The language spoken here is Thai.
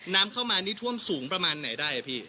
น้ำเข้ามานี่ท่วมสูงประมาณไหนได้อะพี่